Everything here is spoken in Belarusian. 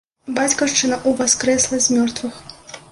Бацькаўшчына ўваскрэсла з мёртвых!